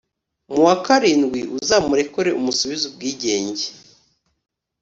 mu wa karindwi uzamurekure umusubize ubwigenge.